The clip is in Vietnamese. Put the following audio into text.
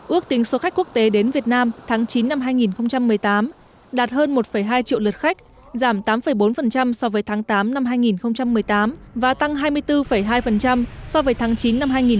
ước tính số khách quốc tế đến việt nam tháng chín năm hai nghìn một mươi tám đạt hơn một hai triệu lượt khách giảm tám bốn so với tháng tám năm hai nghìn một mươi tám và tăng hai mươi bốn hai so với tháng chín năm hai nghìn một mươi tám